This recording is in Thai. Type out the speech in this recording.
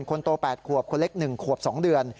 คนโต๘ขวบคนเล็ก๑ขวบ๒เดือน